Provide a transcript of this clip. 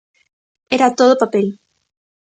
Era todo papel.